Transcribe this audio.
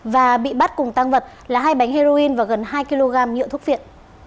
và bị bắt cùng tăng vật là hai bánh heroin và gần hai kg nhựa thuốc viện